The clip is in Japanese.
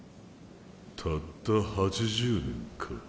たった８０年か。